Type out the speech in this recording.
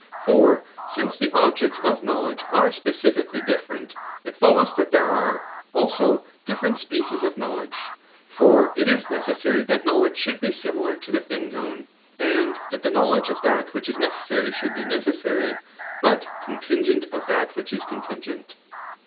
For since the objects of knowledge are specifically different, it follows, that there are, also, different species of knowledg£i For it is necessary that knowledge sliould be similar to the tiling knowx^ and that the knowledge of that which is necessary should be necessary, but contingent of that which is contingent.